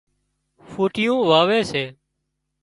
ڦُوٽيون واوي سي